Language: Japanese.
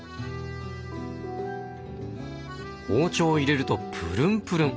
包丁を入れるとプルンプルン！